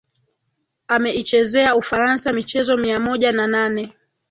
Ameichezea Ufaransa michezo mia moja na nane